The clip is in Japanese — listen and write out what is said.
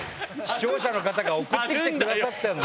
視聴者の方が送ってくださってる。